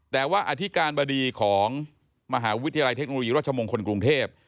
แต่ว่าอธิการบดีของมหาวิทยาลัยเทคโนโลยีรัชมงคลกรุงเทพ